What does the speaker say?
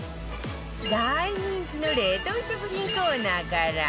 大人気の冷凍食品コーナーから